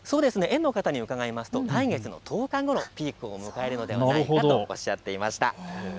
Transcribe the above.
園の方に伺うと来月１０日ごろピークを迎えるんじゃないかとおっしゃっていました。